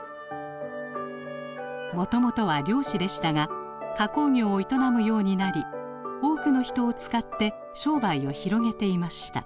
もともとは漁師でしたが加工業を営むようになり多くの人を使って商売を広げていました。